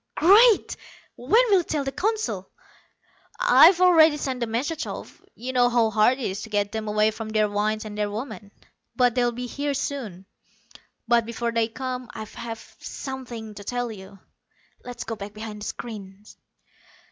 "Great! When will you tell the Council?" "I've already sent the message off. You know how hard it is to get them away from their wines and their women but they'll be here soon. But before they come, I've something to tell you. Let's go back behind the screens."